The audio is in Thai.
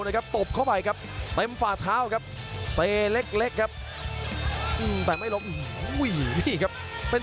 เสียบด้วยเข่าโต้คืน